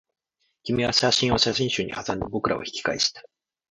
君は写真を写真集にはさんで、僕らは引き返した